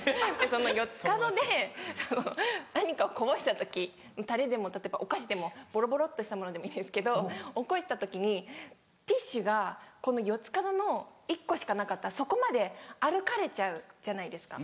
その四つ角で何かをこぼした時タレでも例えばお菓子でもボロボロっとしたものでもいいですけど落っこちた時にティッシュがこの四つ角の１個しかなかったらそこまで歩かれちゃうじゃないですか。